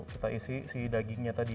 kita isi si dagingnya tadi